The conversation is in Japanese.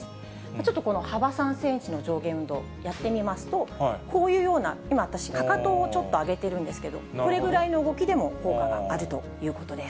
ちょっとこの幅３センチの上下運動、やってみますと、こういうような、今、私、かかとをちょっと上げてるんですけど、これぐらいの動きでも効果があるということです。